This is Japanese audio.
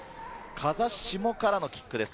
風下からのキックです。